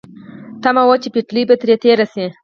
تمه وه چې پټلۍ به ترې تېره شي.